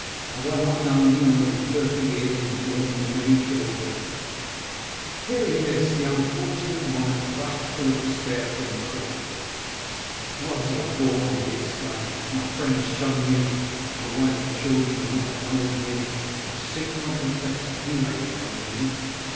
Have I not known thee more than thirty years, and borne thee many children ?'" Hearing this the unfortunate monarch rushed, full of despair, from the court * Why was I born ?* he exclaimed. * My friends shun me ; my wife and children will not acknowledge me. I will seek my confessor. He may remember me.'